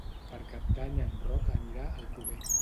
Per Cap d'Any en Roc anirà a Alcover.